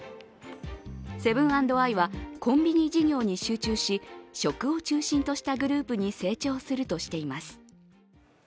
セブン＆アイは、コンビニ事業に集中し食を中心としたグループに成長するとしています。